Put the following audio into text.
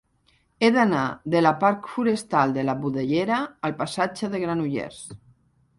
He d'anar de la parc Forestal de la Budellera al passatge de Granollers.